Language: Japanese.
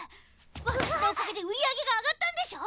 私のおかげで売り上げが上がったんでしょ